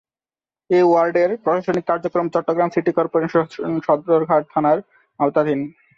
এ ওয়ার্ডের প্রশাসনিক কার্যক্রম চট্টগ্রাম সিটি কর্পোরেশনের সদরঘাট থানার আওতাধীন।